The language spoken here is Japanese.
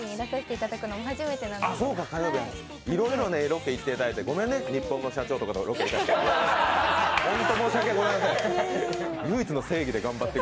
いろいろロケ行っていただいて、ごめんね、ニッポンの社長とかとロケ行かせて。